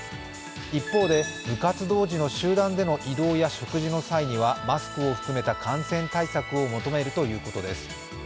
一方で、部活動時の集団での移動や食事の際にはマスクを含めた感染対策を求めるということです。